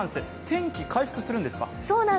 天気回復するんですか？